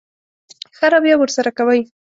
ښه رويه ورسره کوئ.